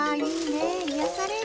癒やされる。